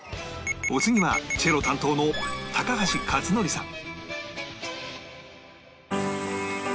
お次はチェロ担当の高橋克典さん